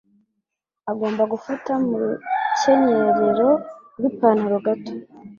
Agomba gufata mu rukenyerero rw'ipantaro gato.